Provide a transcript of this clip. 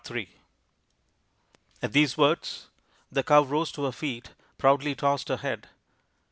in At these words the cow rose to her feet proudly tossed her head.